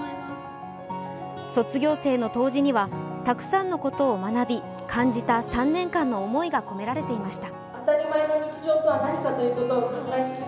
卒業生の答辞にはたくさんのことを学び、感じた３年間の思いが込められていました